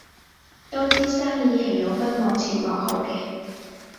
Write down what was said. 都知生意係有分幕前幕後嘅